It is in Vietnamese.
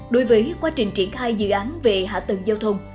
đối với quá trình triển khai dự án về hạ tầng giao thông